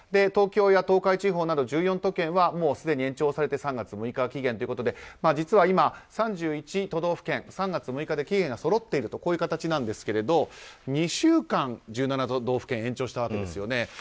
東京や東海地方など１４都県はすでに延長されて３月６日が期限ということで実は、３１都道府県３月６日で期限がそろっているこういう形なんですが、２週間１７都道府県延長したわけですよね。